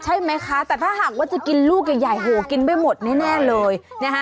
ใช่ไหมคะแต่ถ้าหากว่าจะกินลูกใหญ่โหกินไม่หมดแน่เลยนะฮะ